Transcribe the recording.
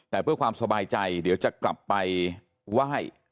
แต่เพื่อความสบายใจเดี๋ยวจะกลับไปไหว้